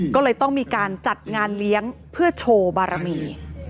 ก็เลยต้องมีการจัดงานเลี้ยงเพื่อโชว์บารมี